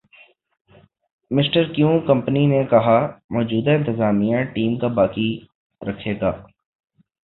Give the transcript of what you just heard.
mister Kevin company نے کہا موجودہ انتظامیہ ٹیم کا باقی رکھے گا